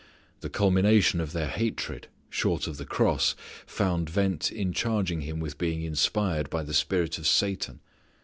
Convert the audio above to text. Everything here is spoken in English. The culmination of their hatred, short of the cross, found vent in charging Him with being inspired by the spirit of Satan.